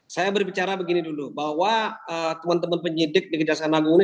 saya berbicara begini dulu bahwa teman teman penyidik di kejaksaan agung ini